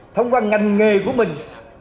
thông qua ngành nghề của mình